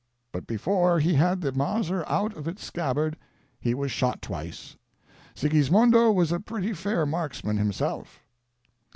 But before he had the Mauser out of its scabbard he was shot twice; Sigismondo was a pretty fair marksman himself.